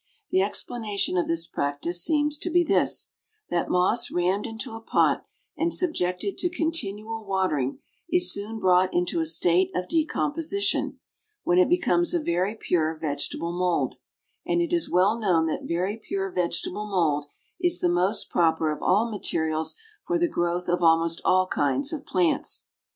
The explanation of the practice seems to be this: that moss rammed into a pot, and subjected to continual watering, is soon brought into a state of decomposition, when it becomes a very pure vegetable mould; and it is well known that very pure vegetable mould is the most proper of all materials for the growth of almost all kinds of plants.